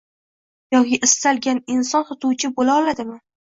Yoki istalgan inson sotuvchi boʻla oladimi?